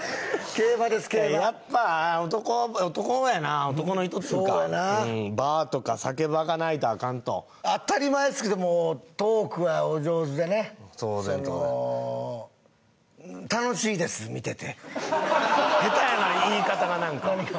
競馬やっぱ男やな男の人っていうかそうやなバーとか酒場がないとあかんと当たり前ですけどもうトークはお上手でね当然当然下手やな言い方がなんか何が？